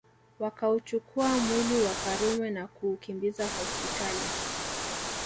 Wakauchukua mwili wa Karume na kuukimbiza hospitali